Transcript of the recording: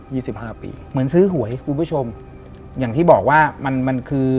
สิบห้าปีเหมือนซื้อหวยคุณผู้ชมอย่างที่บอกว่ามันมันคือ